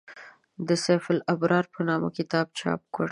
د «سیف الابرار» په نامه کتاب چاپ کړ.